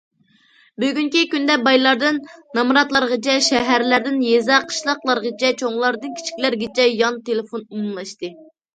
بۈگۈنكى كۈندە بايلاردىن نامراتلارغىچە، شەھەرلەردىن يېزا- قىشلاقلارغىچە، چوڭلاردىن كىچىكلەرگىچە يان تېلېفون ئومۇملاشتى.